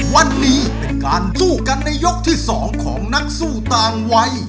วันนี้เป็นการสู้กันในยกที่๒ของนักสู้ต่างวัย